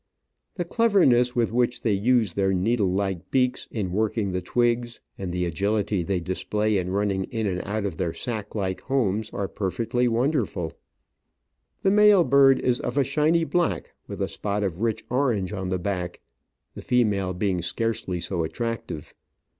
The cleverness with which they use their Digitized by VjOOQIC OF AN Orchid Hunter. 201 needle like beaks in working the twigs, and the agility they display in running in and out of their sack like home, are perfectly wonderful. The male bird is of a shiny black, with a spot of rich orange on. the back, the female being scarcely so attractive.